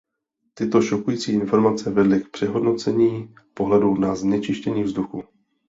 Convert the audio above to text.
Tyto šokující informace vedly k přehodnocení pohledu na znečištění vzduchu.